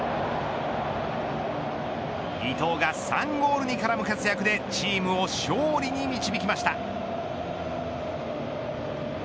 伊東が３ゴールに絡む活躍でチームを勝利に導きました。